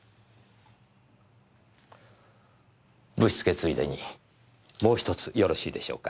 ぶしつけついでにもう１つよろしいでしょうか？